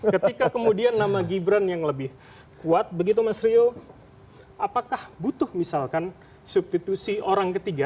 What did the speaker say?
ketika kemudian nama gibran yang lebih kuat begitu mas rio apakah butuh misalkan substitusi orang ketiga